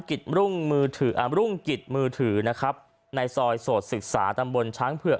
กิจรุ่งมือถืออ่ารุ่งกิจมือถือนะครับในซอยโสดศึกษาตำบลช้างเผือก